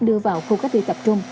đưa vào khu cách đi tập trung